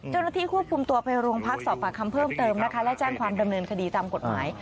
เจ้าหน้าที่ควบคุมตัวไปโรงพักสอบปากคำเพิ่มเติมนะคะและแจ้งความดำเนินคดีตามกฎหมาย